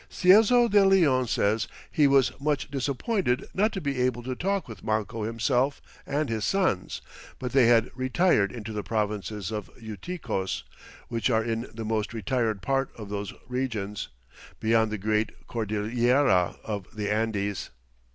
Ciezo de Leon says he was much disappointed not to be able to talk with Manco himself and his sons, but they had "retired into the provinces of Uiticos, which are in the most retired part of those regions, beyond the great Cordillera of the Andes."